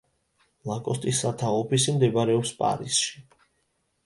ლაკოსტის სათაო ოფისი მდებარეობს პარიზში.